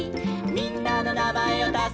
「みんなのなまえをたせば」